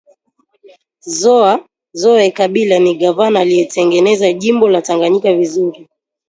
Zoe Kabila ni gavana aliye tengeneza jimbo la tanganyika vizuri